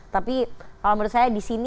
tapi kalau menurut saya di sini